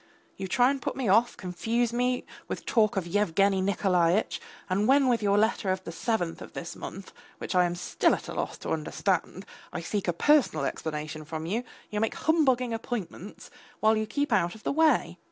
You try and put me off, confuse me with talk of Yevgeny Nikolaitch, and when with your letter of the seventh of this month, which I am still at a loss to understand, I seek a personal explanation from you, you make humbugging appointments, while you keep out of the way.